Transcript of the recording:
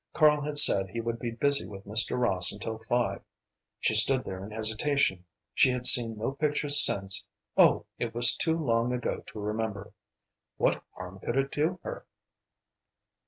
Karl had said he would be busy with Mr. Ross until five. She stood there in hesitation. She had seen no pictures since oh it was too long ago to remember. What harm could it do her?